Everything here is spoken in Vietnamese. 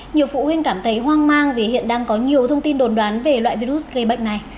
nhiều phụ huynh cảm thấy hoang mang vì hiện đang có nhiều thông tin đồn đoán về loại virus gây bệnh này